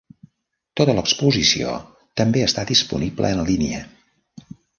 Tota l'exposició també està disponible en línia.